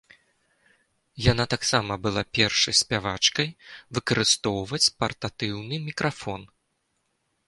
Яна таксама была першай спявачкай выкарыстоўваць партатыўны мікрафон.